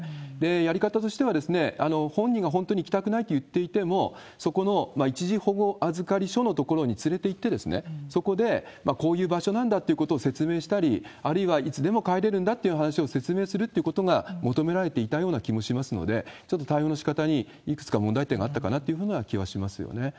やり方としては、本人が本当に行きたくないと言っていても、そこの一時保護預かり所の所に連れていって、そこでこういう場所なんだということを説明したり、あるいはいつでも帰れるんだっていう話を説明するってことが求められていたような気もしますので、ちょっと対応のしかたにいくつか問題点があったかなというふうな気はしますよね。